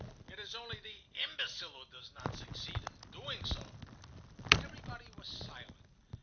It is only the imbecile who does not succeed in doing so." Everybody was silent.